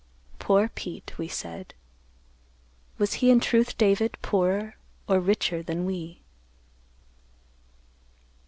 "'Poor Pete,' we said. Was he in truth, David, poorer or richer than we?"